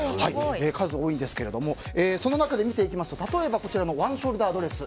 数多いんですけどもその中で見ていきますと例えば、ワンショルダードレス。